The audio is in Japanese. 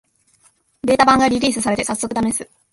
ベータ版がリリースされて、さっそくためす